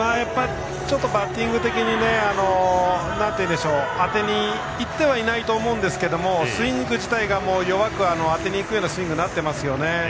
バッティング的に当てにいってはいないと思うんですがスイング自体が弱く当てにいくようになっていますね。